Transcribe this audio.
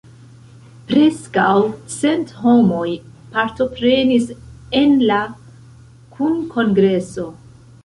Preskaŭ cent homoj partoprenis en la kunkongreso.